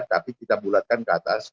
tapi kita bulatkan ke atas